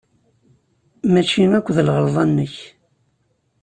Maci akk d lɣelḍa-nnek.